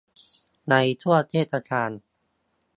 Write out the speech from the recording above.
ในช่วงเทศกาล